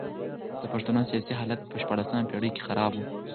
د پښتنو سیاسي حالت په شپاړلسمه پېړۍ کي خراب و.